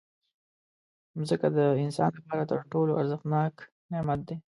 مځکه د انسان لپاره تر ټولو ارزښتناک نعمت دی.